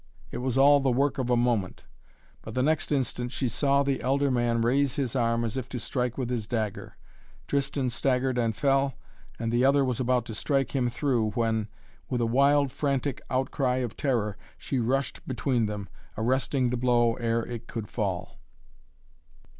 It was all the work of a moment. But the next instant she saw the elder man raise his arm as if to strike with his dagger. Tristan staggered and fell, and the other was about to strike him through when, with a wild, frantic outcry of terror, she rushed between them, arresting the blow ere it could fall.